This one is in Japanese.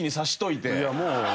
いやもう。